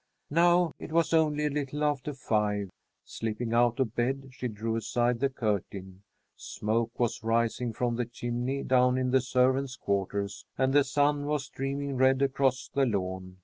Now it was only a little after five. Slipping out of bed, she drew aside the curtain. Smoke was rising from the chimney down in the servants' quarters, and the sun was streaming red across the lawn.